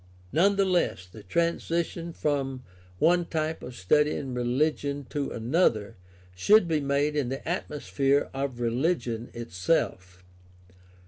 None the less the transition from one type of study in religion to another should be made in the atmosphere of religion itself.